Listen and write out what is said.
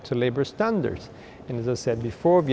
sẽ là thay đổi cơ hội